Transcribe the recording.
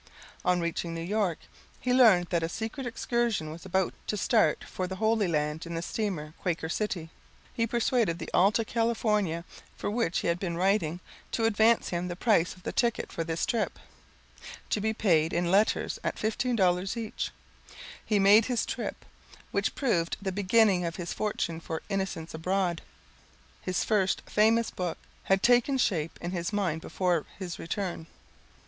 On reaching New York he learned that a secret excursion was about to start for the Holy Land in the steamer Quaker City. He persuaded the Alta California, for which he had been writing, to advance him the price of the ticket for this trip [text unreadable] to be paid in letters at $15 each. He made his trip, which proved the beginning of his fortune, for "Innocents Abroad," his first famous book, had taken shape in his mind before his return.